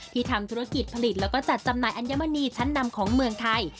ทำธุรกิจผลิตแล้วก็จัดจำหน่ายอัญมณีชั้นนำของเมืองไทย